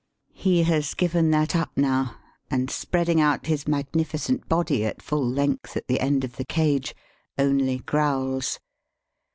He has given that up now, and, spreading out his magnificent body at full length at the end of the cage, only growls.